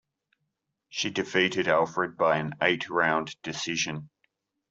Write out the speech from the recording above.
She defeated Alfred by an eight round decision.